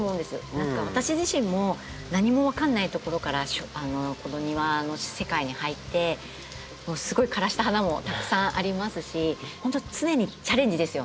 何か私自身も何も分かんないところからこの庭の世界に入ってもうすごい枯らした花もたくさんありますし本当常にチャレンジですよね。